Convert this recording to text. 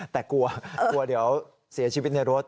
แต่กลัวกลัวเดี๋ยวเสียชีวิตในรถ